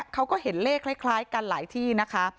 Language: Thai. เขาก็เห็นเลขคล้ายกันหลายที่นะคะ